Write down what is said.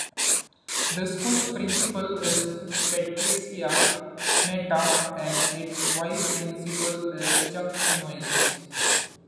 The school's principal is Patricia Metta, and its vice principal is Chuck Noyes.